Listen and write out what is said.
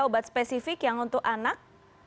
obat spesifik yang untuk anak